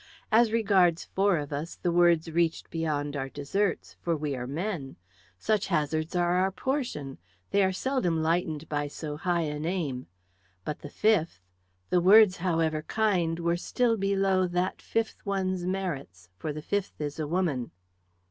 As regards four of us, the words reached beyond our deserts. For we are men. Such hazards are our portion; they are seldom lightened by so high an aim. But the fifth! The words, however kind, were still below that fifth one's merits; for the fifth is a woman."